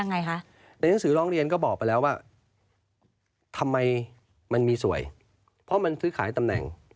ไงคะในหนังสือร้องเรียนก็บอกไปแล้วว่าทำไมมันมีสวยเพราะมันซื้อขายตำแหน่ง